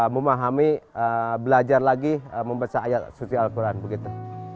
memahami belajar lagi membaca ayat suci al quran begitu